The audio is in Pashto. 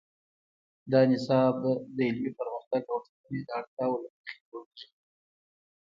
دا نصاب د علمي پرمختګ او ټولنې د اړتیاوو له مخې جوړیږي.